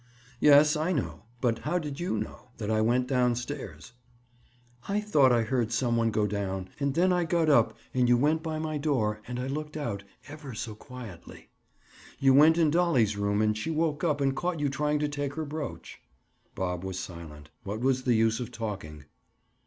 "Yes, I know. But how did you know—that I went down stairs?" "I thought I heard some one go down. And then I got up and you went by my door, and I looked out, ever so quietly. You went in Dolly's room and she woke up and caught you trying to take her brooch." Bob was silent. What was the use of talking?